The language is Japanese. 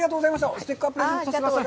ステッカープレゼントさせてください。